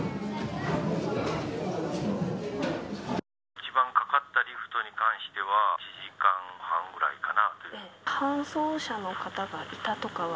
一番かかってる人に関しては１時間半ぐらいかな。